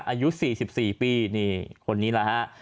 อายุ๔๔ปีนี่คนนี้แหละฮะ